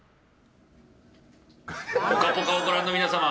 「ぽかぽか」をご覧の皆さま